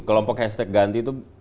kelompok hashtag ganti itu